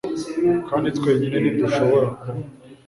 kandi twenyine ntidushobora kuba